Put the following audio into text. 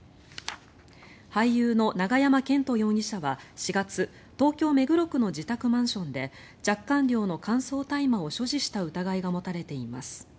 俳優の永山絢斗容疑者は４月東京・目黒区の自宅マンションで若干量の乾燥大麻を所持した疑いが持たれています。